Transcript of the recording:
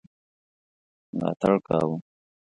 ملاتړ کاوه.